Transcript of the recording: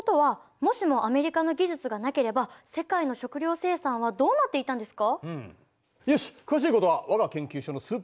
もしもアメリカの技術がなければ世界の食料生産はどうなっていたんですか？